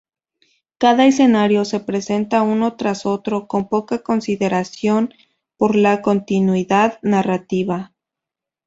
Cada escenario se presenta uno tras otro con poca consideración por la continuidad narrativa.